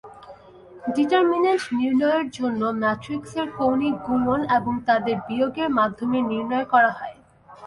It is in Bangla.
ডিটারমিনেন্ট নির্ণয়য়ের জন্য ম্যাট্রিক্সের কৌণিক গুনন এবং তাদের বিয়গের মাধ্যমে নির্ণয় করা হয়।